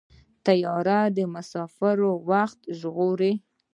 طیاره د مسافرو وخت ژغوري.